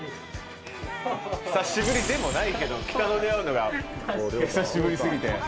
久しぶりでもないけど北野で会うのが久しぶり過ぎて。